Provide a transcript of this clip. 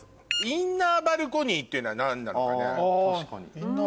インナーバルコニーっていうのは何なのかね？